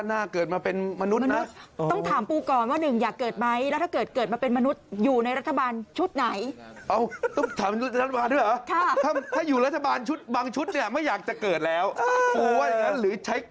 น่ากินไหมน่ากินเพราะที่ถ่วยกูโทนไปด้วย